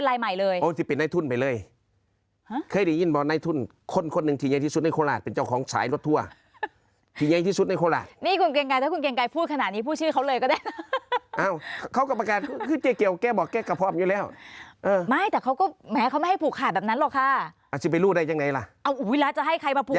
เอาที่ไปลูกได้ยังไงล่ะ